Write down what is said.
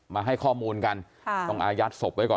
มาให้ข้อมูลกันต้องอายัดศพไว้ก่อน